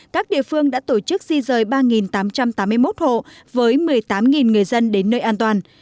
các địa phương đã tổ chức di rời ba tám trăm tám mươi một hộ với một mươi tám người dân đến nơi an toàn